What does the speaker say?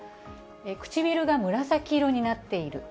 唇が紫色になっている。